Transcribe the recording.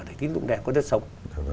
để tín dụng đen có đất sống